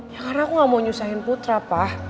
ya karena aku gak mau nyusahin putra pak